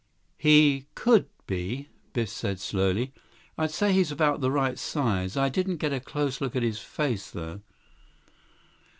"He could be," Biff said slowly. "I'd say he's about the right size. I didn't get a close look at his face, though."